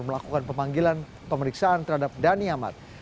melakukan pemanggilan pemeriksaan terhadap dhani ahmad